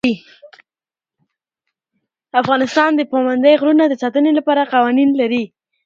افغانستان د پابندی غرونه د ساتنې لپاره قوانین لري.